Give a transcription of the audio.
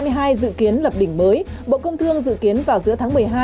năm hai nghìn hai dự kiến lập đỉnh mới bộ công thương dự kiến vào giữa tháng một mươi hai